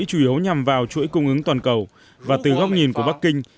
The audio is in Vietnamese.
chủ yếu nhằm vào chuỗi cung ứng toàn cầu và từ góc nhìn của bắc kinh